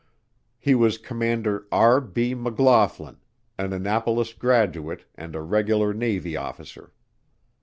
He was Commander R. B. McLaughlin, an Annapolis graduate and a Regular Navy officer.